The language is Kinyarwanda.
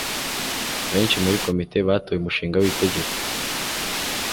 abenshi muri komite batoye umushinga w'itegeko